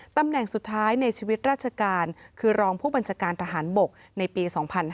ตำแหน่งสุดท้ายในชีวิตราชการคือรองผู้บัญชาการทหารบกในปี๒๕๕๙